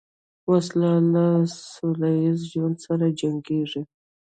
وسله له سولهییز ژوند سره جنګیږي